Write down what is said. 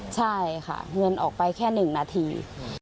ใช่ค่ะเงินออกไปแค่๑นาที